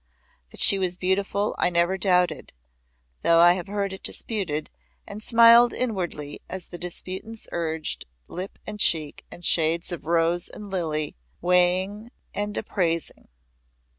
That she was beautiful I never doubted, though I have heard it disputed and smiled inwardly as the disputants urged lip and cheek and shades of rose and lily, weighing and appraising.